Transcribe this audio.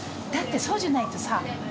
だってそうじゃないとさ。